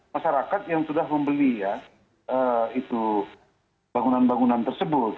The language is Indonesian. masyarakat yang sudah membeli ya itu bangunan bangunan tersebut